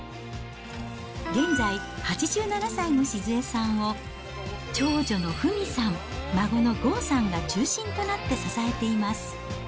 現在、８７歳の静恵さんを、長女の富美さん、孫の豪さんが中心となって支えています。